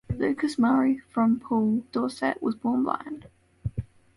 Lucas Murray, from Poole, Dorset, was born blind.